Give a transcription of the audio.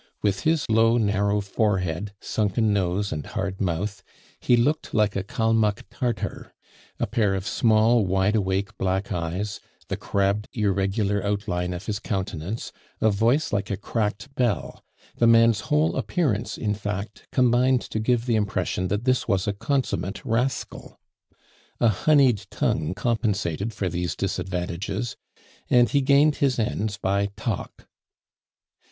With his low, narrow forehead, sunken nose, and hard mouth, he looked like a Kalmuck Tartar; a pair of small, wide awake black eyes, the crabbed irregular outline of his countenance, a voice like a cracked bell the man's whole appearance, in fact, combined to give the impression that this was a consummate rascal. A honeyed tongue compensated for these disadvantages, and he gained his ends by talk.